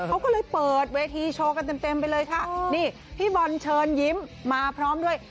เขาก็เลยเปิดเวทีโชว์กันเต็มเต็มไปเลยค่ะนี่พี่บอลเชิญยิ้มมาพร้อมด้วย